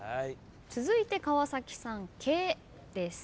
続いて川さん「け」です。